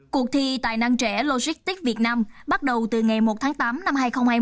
cuộc thi tài năng trẻ logistics việt nam bắt đầu từ ngày một tháng tám năm hai nghìn hai mươi